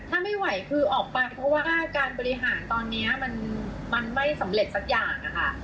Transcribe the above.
ถ้าไม่ไหวคือออกไปเพราะว่าการบริหารตอนนี้มันไม่สำเร็จสักอย่างค่ะ